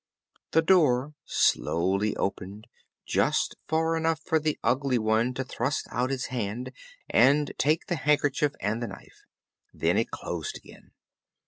The door slowly opened, just far enough for the Ugly One to thrust out his hand and take the handkerchief and the knife. Then it closed again.